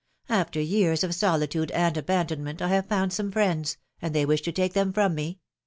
^^After years of soli tude and abandonment, I have found some friends, and they wish to take them from me!